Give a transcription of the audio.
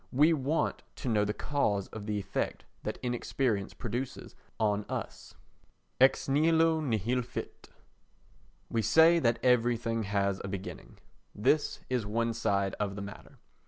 We want to know the cause of the effect that inexperience produces on us. Ex Nihilo Nihil Fit We say that everything has a beginning. This is one side of the matter.